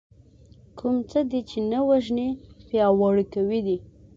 کوم څه دې چې نه وژنې پياوړي کوي دی .